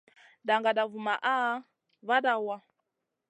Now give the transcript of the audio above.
Nagada vumaʼha vada waʼa.